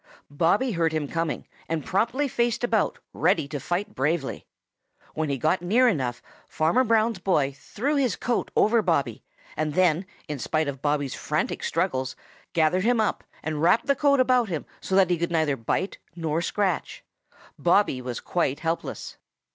Bobby heard him coming and promptly faced about ready to fight bravely. When he got near enough, Farmer Brown's boy threw his coat over Bobby and then, in spite of Bobby's frantic struggles, gathered him up and wrapped the coat about him so that he could neither bite nor scratch. Bobby was quite helpless.